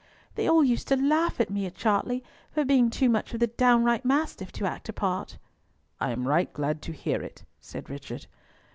"They all used to laugh at me at Chartley for being too much of the downright mastiff to act a part." "I am right glad to hear it," said Richard.